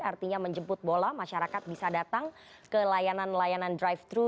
artinya menjemput bola masyarakat bisa datang ke layanan layanan drive thru